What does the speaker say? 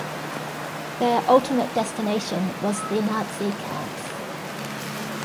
Their ultimate destination was the Nazi camps.